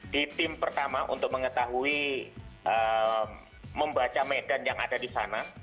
di tim pertama untuk mengetahui membaca medan yang ada di sana